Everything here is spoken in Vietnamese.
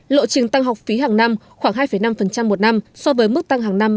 lộ trình tăng học phí hàng năm khoảng hai năm một năm so với mức tăng hàng năm